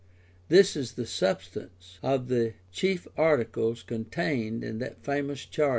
This is the substance of the chief articles contained in that famous charter.